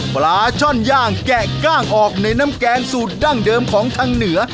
ปลาช่อนย่างแกะกล้างออกในน้ำแกงสูตรดั้งเดิมของทางเหนือ